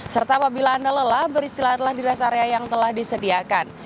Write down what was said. serta apabila anda lelah beristirahatlah di rest area yang telah disediakan